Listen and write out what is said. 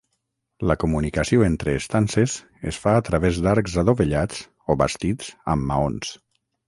La comunicació entre estances es fa a través d'arcs adovellats o bastits amb maons.